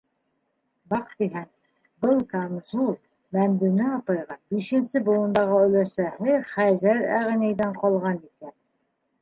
Баҡтиһәң, был камзул Мәмдүнә апайға бишенсе быуындағы өләсәһе Хәжәр ағинәйҙән ҡалған икән.